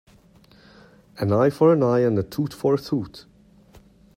An eye for an eye and a tooth for a tooth.